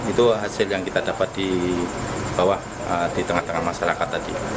itu hasil yang kita dapat di bawah di tengah tengah masyarakat tadi